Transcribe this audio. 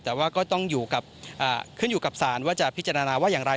แต่ว่าก็ต้องขึ้นอยู่กับสารว่าจะพิจารณาว่าอย่างไร